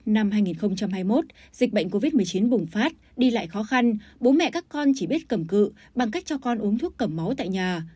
năm hai nghìn hai mươi một dịch bệnh covid một mươi chín bùng phát đi lại khó khăn bố mẹ các con chỉ biết cầm cự bằng cách cho con uống thuốc cầm máu tại nhà